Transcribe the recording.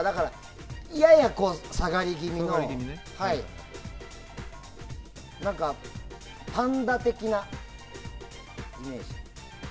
やや下がり気味のパンダ的なイメージ。